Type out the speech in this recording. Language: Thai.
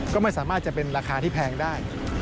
ก็ไม่สามารถจะเป็นราคาที่แพงได้